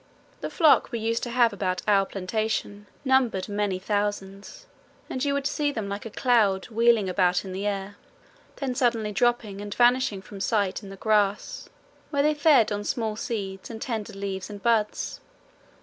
The flock we used to have about our plantation numbered many thousands, and you would see them like a cloud wheeling about in the air, then suddenly dropping and vanishing from sight in the grass, where they fed on small seeds and tender leaves and buds.